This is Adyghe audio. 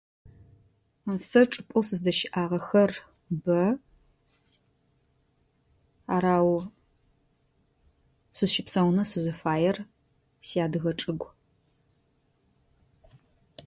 Сэ чӏыпӏэу сыздэщыӏагъэхэр бэ. Арау сызщыпсаунэу сызфаер си адыгэ чӏыгу.